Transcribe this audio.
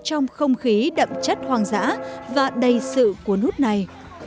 trong không khí đậm chất hoang dã và đầy sự của nút này